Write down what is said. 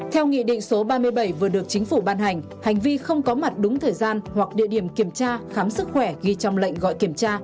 theo nghị định số ba mươi bảy vừa được chính phủ ban hành hành vi không có mặt đúng thời gian hoặc địa điểm kiểm tra khám sức khỏe ghi trong lệnh gọi kiểm tra